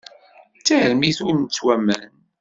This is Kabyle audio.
D tarmit ur nettwaman.